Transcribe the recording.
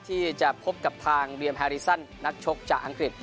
ที่จะพบกับทางเวียมแฮริซันนักชกจากอังกฤษ